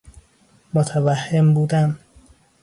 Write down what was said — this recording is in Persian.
متوهم بودن